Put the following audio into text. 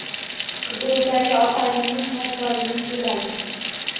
Qidiruvdagi ota aliment qarzdorligini to‘ladi